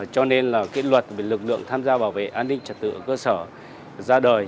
cho nên luật về lực lượng tham gia bảo vệ an ninh trật tự ở cơ sở ra đời